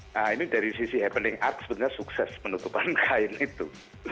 nah ini dari sisi happening art sebenarnya sukses penutupan kain itu